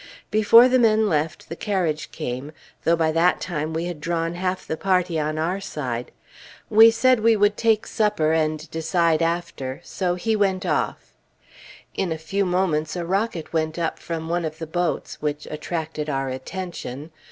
Before the man left, the carriage came, though by that time we had drawn half the party on our side; we said we would take supper, and decide after, so he went off. In a few moments a rocket went up from one of the boats, which attracted our attention.